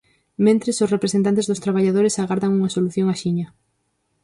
Mentres, os representantes dos traballadores agardan unha solución "axiña".